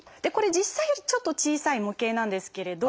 実際よりちょっと小さい模型なんですけれど。